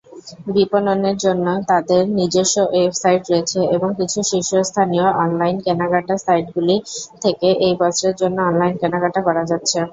বিপণনের জন্য তাদের নিজস্ব ওয়েবসাইট রয়েছে এবং কিছু শীর্ষস্থানীয় অনলাইন কেনাকাটা সাইটগুলি থেকে এই বস্ত্রের জন্য অনলাইন কেনাকাটা করা যাচ্ছে।